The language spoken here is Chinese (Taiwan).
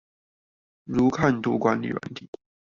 如看圖管理軟體